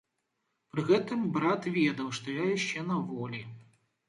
Пры гэтым брат ведаў, што я яшчэ на волі.